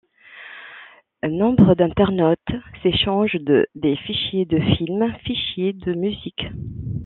Nombre d'internautes s'échangent des fichiers de films, fichiers de musique...